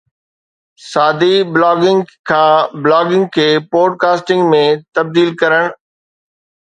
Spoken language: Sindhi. سادي بلاگنگ کان بلاگنگ کي پوڊ ڪاسٽنگ ۾ تبديل ڪرڻ